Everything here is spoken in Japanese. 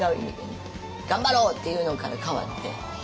頑張ろうっていうのから変わって。